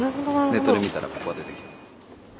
ネットで見たらここが出てきた。